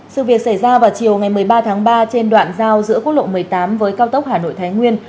sự việc xảy ra vào chiều ngày một mươi ba tháng ba trên đoạn giao giữa quốc lộ một mươi tám với cao tốc hà nội thái nguyên